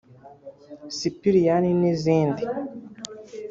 ‘Sipiriyani’ n’izindi